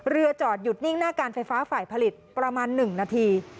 จอดหยุดนิ่งหน้าการไฟฟ้าฝ่ายผลิตประมาณ๑นาที